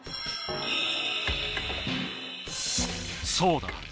そうだ。